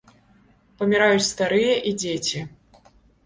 Паміраюць старыя і дзеці.